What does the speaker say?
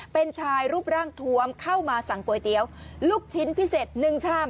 เป็นชายรูปร่างทวมเข้ามาสั่งก๋วยเตี๋ยวลูกชิ้นพิเศษ๑ชาม